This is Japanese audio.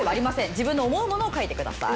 自分の思うものを書いてください。